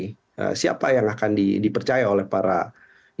siapa yang akan dipercaya oleh para pemerintah siapa yang akan dipercaya oleh para pemerintah